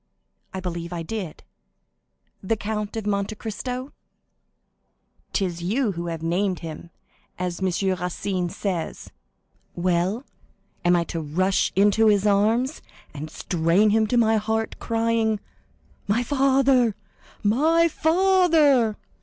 "I believe I did." "The Count of Monte Cristo?" "'Tis you who have named him, as M. Racine says. Well, am I to rush into his arms, and strain him to my heart, crying, 'My father, my father!